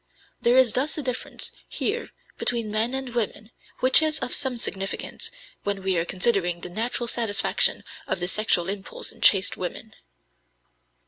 There is thus a difference here between men and women which is of some significance when we are considering the natural satisfaction of the sexual impulse in chaste women.